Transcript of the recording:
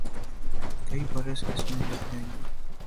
کئی برس اس میں لگ جائیں گے۔